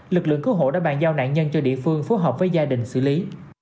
lực lượng cứu hộ đã bàn giao nạn nhân cho địa phương phối hợp với gia đình xử lý